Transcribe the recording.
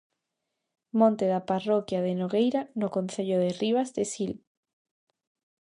Monte da parroquia de Nogueira, no concello de Ribas de Sil.